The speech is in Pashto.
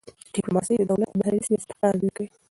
ډيپلوماسي د دولت د بهرني سیاست ښکارندویي کوي.